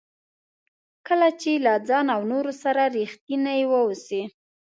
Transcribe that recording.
کله چې له ځان او نورو سره ریښتیني واوسئ.